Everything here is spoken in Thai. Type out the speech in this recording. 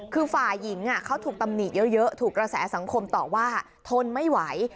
คือฝ่ายหญิงเขาถูกตำหนิเยอะถูกกระแสสังคมต่อว่าทนไม่ไหว